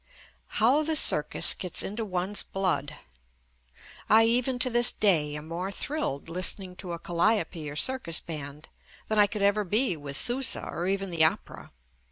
How the circus gets into one's blood! I even to this day am more thrilled listening to a calliope or circus band, than I could ever be with Sousa or even the opera.